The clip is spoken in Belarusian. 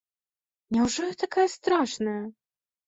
Няўжо я такая страшная?!